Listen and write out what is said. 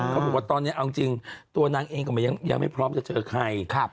เขาบอกว่าตอนนี้เอาจริงตัวนางเองก็ยังไม่พร้อมจะเจอใคร